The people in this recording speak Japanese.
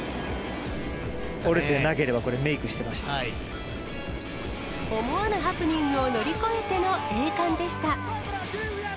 折れてなければ、これ、思わぬハプニングを乗り越えての栄冠でした。